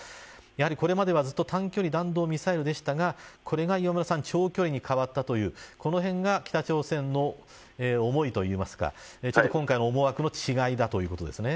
やはりこれまでは、ずっと短距離弾道ミサイルでしたがこれが磐村さん長距離に変わったというこのへんが北朝鮮の思いといいますか今回の思惑の違いということですね。